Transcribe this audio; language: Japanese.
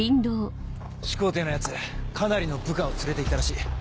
始皇帝のヤツかなりの部下を連れて行ったらしい。